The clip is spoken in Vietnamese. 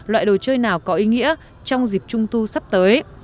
loại đồ chơi nào có ý nghĩa trong dịp trung thu sắp tới